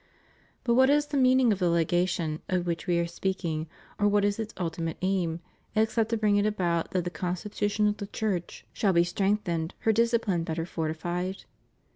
But what is the meaning of the legation of which we are speaking, or what is its ultimate aim except to bring it about that the constitution of the Church shall be 330 CATHOLICITY IN THE UNITED STATES. strengthened, her discipHne better fortified?